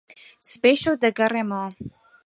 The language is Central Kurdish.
سبەی شەو دەگەڕێمەوە.